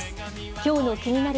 きょうのキニナル！